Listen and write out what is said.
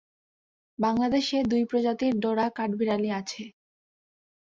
বাংলাদেশে দুই প্রজাতির ডোরা কাঠবিড়ালি আছে।